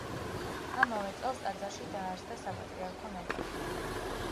ამავე წელს ტაძარში დაარსდა საპატრიარქო მეტოქი.